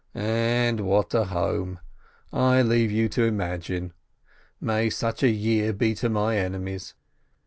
And what a home! I leave you to imagine. May such a year be to my enemies!